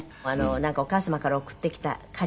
なんかお母様から送ってきたかりんとう。